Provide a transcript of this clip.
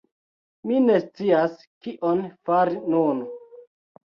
Mi ne scias kion fari nun.